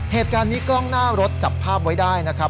เหตุการณ์นี้กล้องหน้ารถจับภาพไว้ได้นะครับ